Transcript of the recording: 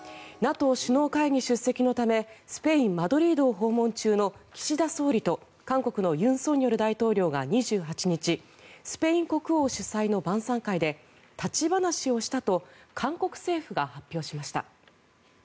ＮＡＴＯ首脳会議出席のためスペイン・マドリードを訪問中の岸田総理と韓国の尹錫悦大統領が２８日、スペイン国王主催の晩さん会で立ち話をしたと韓国政府が発表しました。